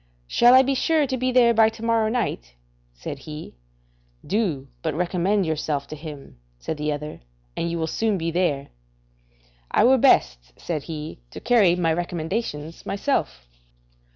"Shall I be sure to be there by to morrow night?" said he. "Do, but recommend yourself to Him," said the other, "and you will soon be there." "I were best then," said he, "to carry my recommendations myself."